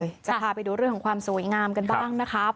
จะพาไปดูเรื่องของความสวยงามกันบ้างนะครับ